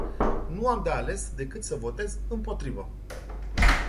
Nu am de ales decât să votez împotrivă.